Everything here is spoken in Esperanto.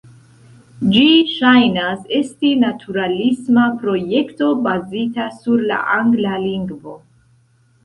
Ĝi ŝajnas esti naturalisma projekto bazita sur la angla lingvo.